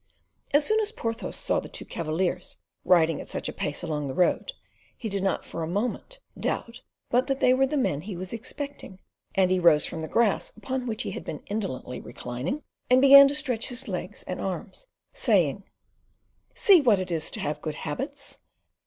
As soon as Porthos saw the two cavaliers riding at such a pace along the road, he did not for a moment doubt but that they were the men he was expecting, and he rose from the grass upon which he had been indolently reclining and began to stretch his legs and arms, saying, "See what it is to have good habits.